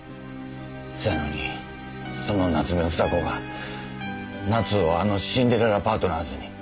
そやのにその夏目房子が奈津をあのシンデレラパートナーズに。